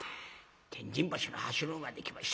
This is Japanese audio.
天神橋の橋の上まで来ました。